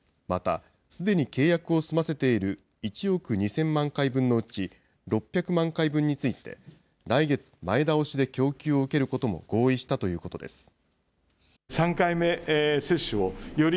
また、すでに契約を済ませている１億２０００万回分のうち６００万回分について、来月、前倒しで供給を受けることも合意したということです。